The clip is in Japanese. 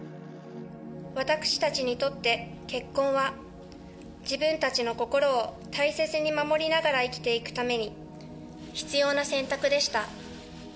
私たちにとって、結婚は自分たちの心を大切に守りながら生きていくために必要な選択でした。